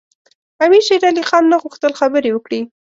امیر شېرعلي خان نه غوښتل خبرې وکړي.